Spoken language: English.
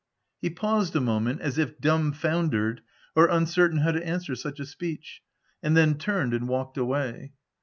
He paused a moment, as if dumbfoundered or uncertain how to answer such a speech, and then turned and walked away.